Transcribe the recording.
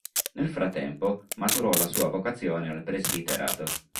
Nel frattempo maturò la sua vocazione al presbiterato.